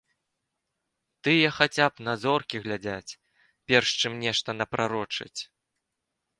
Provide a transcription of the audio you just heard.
Тыя хаця б на зоркі глядзяць, перш чым нешта напрарочыць.